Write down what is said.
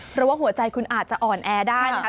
เพราะว่าหัวใจคุณอาจจะอ่อนแอได้นะคะ